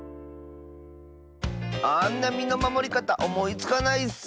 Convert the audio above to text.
あんなみのまもりかたおもいつかないッス！